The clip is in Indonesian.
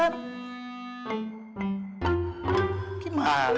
harus nyari duit buat kalian